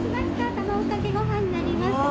卵かけご飯になりますね。